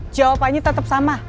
jawabannya tetep sama